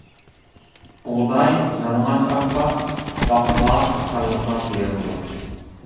بۇغداي، يالىڭاچ ئارپا، باقلا قاتارلىقلار تېرىلىدۇ.